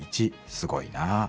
すごいなあ。